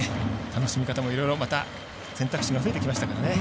楽しみ方もいろいろ選択肢が増えてきましたね。